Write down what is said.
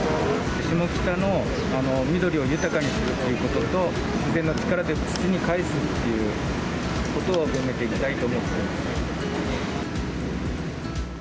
下北の緑を豊かにするということと、自然の力で土にかえすということを広めていきたいと思っています。